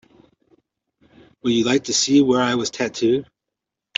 Would you like to see where I was tattooed?